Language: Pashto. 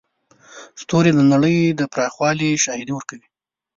ستوري د نړۍ د پراخوالي شاهدي ورکوي.